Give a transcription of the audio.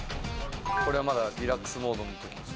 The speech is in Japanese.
これはまだリラックスモードのときです。